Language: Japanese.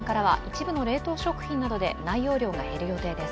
来年からは一部の冷凍食品などで内容量が減る予定です。